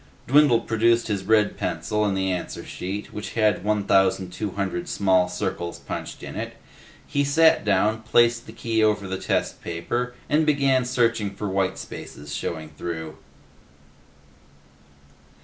Dwindle produced his red pencil and the answer sheet which had 1,200 small circles punched in it. He sat down, placed the key over the test paper, and began searching for white spaces showing through.